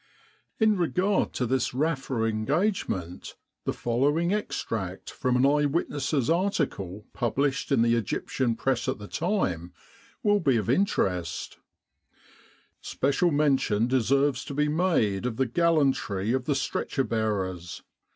In regard to this Rafa engagement, the following 132 El Arish MaghdabaRafa extract from an eye witness's article published in the Egyptian Press at the time, will be of interest : "Special mention deserves to be made of the gallantry of the stretcher bearers.